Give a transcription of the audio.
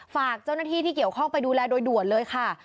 ฝากเจ้าหน้าที่ที่เกี่ยวข้องไปดูแลโดยด่วนเลยค่ะ